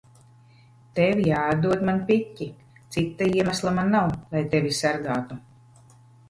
Tev jāatdod man piķi. Cita iemesla man nav, lai tevi sargātu.